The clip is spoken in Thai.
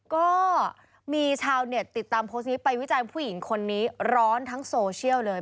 ก็มีชาวเน็ตติดตามโพสต์นี้ไปวิจัยผู้หญิงคนนี้ร้อนทั้งโซเชียลเลย